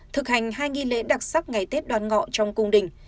thực hành hai nghi lễ đặc sắc ngày tết đoàn ngọ trong cung đình